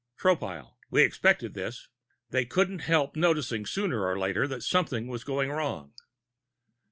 Tropile: "We expected this. They couldn't help noticing sooner or later that something was going wrong."